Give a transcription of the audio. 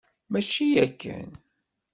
Mačči akken.